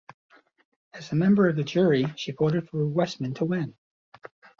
As a member of the jury, she voted for Westman to win.